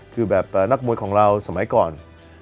คือแบบนักมวยของเราสมัยก่อน